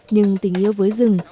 nhưng tình yêu với rừng